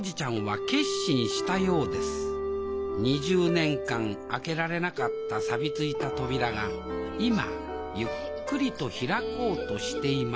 ２０年間開けられなかったサビついた扉が今ゆっくりと開こうとしていました